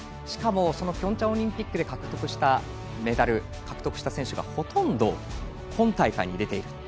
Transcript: しかも、そのピョンチャンオリンピックでメダルを獲得した選手がほとんど今大会に出ている。